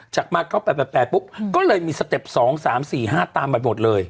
จากมา๙๘๘ปุ๊บก็เลยมีสเต็ป๒๓๔๕ตามไปหมดเลย